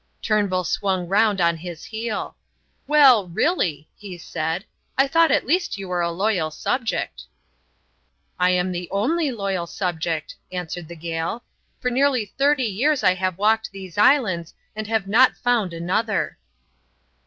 Turnbull swung round on his heel. "Well, really," he said, "I thought at least you were a loyal subject." "I am the only loyal subject," answered the Gael. "For nearly thirty years I have walked these islands and have not found another."